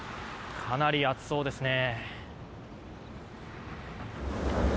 かなり暑そうですね。